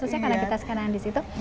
khususnya kalau kita sekarang di situ